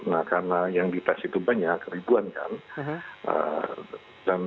nah karena yang dites itu banyak ribuan kan